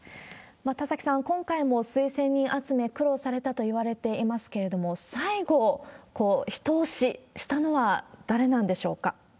田崎さん、今回も推薦人集め、苦労されたといわれていますけれども、最後一押ししたのは誰なんでしょうか。